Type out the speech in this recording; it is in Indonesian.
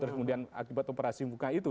kemudian akibat operasi bukan itu